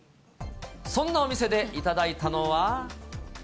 そんなお店で頂いたのは。